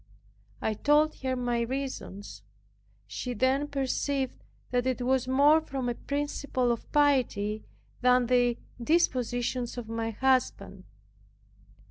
I told her my reasons. She then perceived that it was more from a principle of piety, than the indispositions of my husband.